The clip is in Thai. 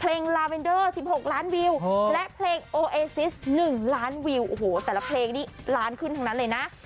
ลาเวนเดอร์๑๖ล้านวิวและเพลงโอเอซิส๑ล้านวิวโอ้โหแต่ละเพลงนี้ล้านขึ้นทั้งนั้นเลยนะ